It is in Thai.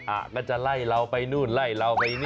อ่ะก็จะไล่เราไปนู่นไล่เราไปนี่